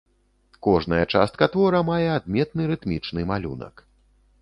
Кожная частка твора мае адметны рытмічны малюнак.